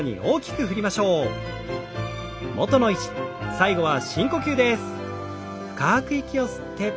最後は深呼吸です。